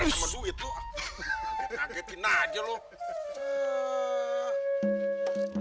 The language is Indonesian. emang positions baro di depan